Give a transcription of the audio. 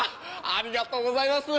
ありがとうございます！